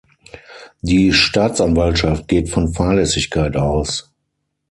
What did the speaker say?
Die Staatsanwaltschaft geht von Fahrlässigkeit aus.